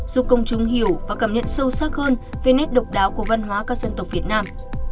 giúp công chúng hiểu và cảm nhận sâu sắc hơn về nét độc đáo của văn hóa các dân tộc việt nam